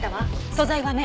素材は綿。